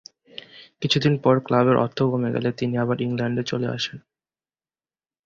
কিছুদিন পর ক্লাবের অর্থ কমে গেলে তিনি আবার ইংল্যান্ড চলে আসেন।